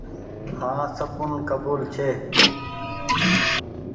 هآن سبون ڪبول ڇي۔